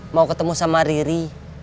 mau ketemu sama riri